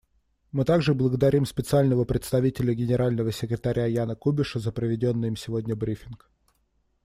Мы также благодарим Специального представителя Генерального секретаря Яна Кубиша за проведенный им сегодня брифинг.